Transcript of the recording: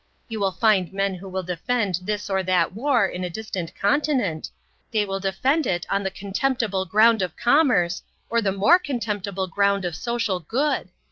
You will find men who will defend this or that war in a distant continent. They will defend it on the contemptible ground of commerce or the more contemptible ground of social good.